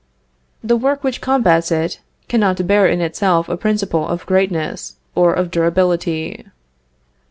The work which combats it, cannot bear in itself a principle of greatness or of durability.